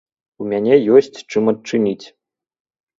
У мяне ёсць чым адчыніць!